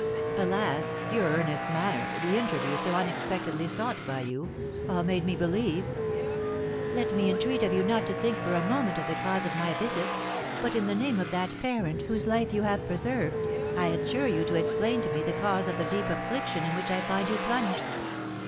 Alas! your earnest manner, the interview so unexpectedly sought by you, all made me believe " "Let me entreat of you not to think for a moment of the cause of my visit; but, in the name of that parent whose life you have preserved, I adjure you to explain to me the cause of the deep affliction in which I find you plunged.